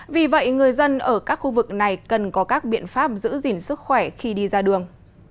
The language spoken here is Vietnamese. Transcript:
vì vậy người dân ở các khu vực này cần có các biện pháp giữ gìn sức khỏe khi đi ra đường